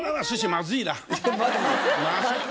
まずいかな？